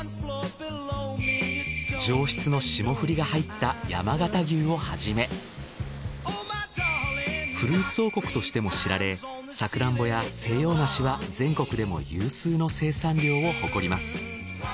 上質の霜降りが入った山形牛をはじめフルーツ王国としても知られサクランボや西洋梨は全国でも有数の生産量を誇ります。